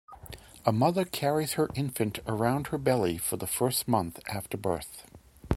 A mother carries her infant around her belly for the first month after birth.